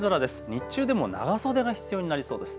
日中でも長袖が必要になりそうです。